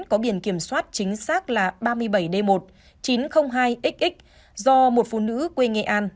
có biển kiểm soát chính xác là ba mươi bảy d một chín trăm linh hai xx do một phụ nữ quê nghệ an